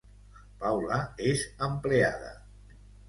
Paula és empleada